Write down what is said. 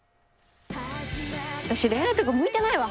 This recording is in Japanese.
私、恋愛とか向いてないわ。